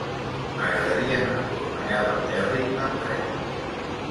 M'agradaria anar a Cornellà del Terri amb tren.